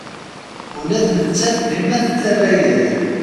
Ula d nettat dima tettara-yas-d.